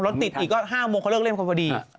รถติดอีกก็๕โมงเขาเลิกเล่นกันพอดี